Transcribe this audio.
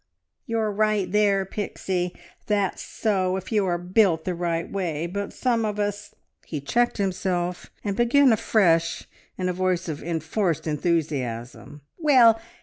"You're right there, Pixie; that's so, if you are built the right way! But some of us " He checked himself, and began afresh in a voice of enforced enthusiasm. "Well!